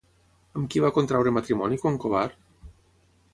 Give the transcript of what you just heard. Amb qui va contraure matrimoni Concobar?